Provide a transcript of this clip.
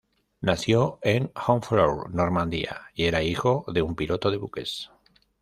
Nació en Honfleur, Normandía y era hijo de un piloto de buques.